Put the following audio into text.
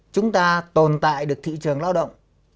chúng ta tồn tại được thị trường lao động